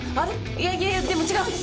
いやいやでも違うんです！